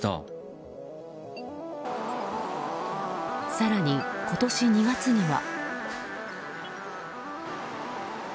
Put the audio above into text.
更に今年２月には。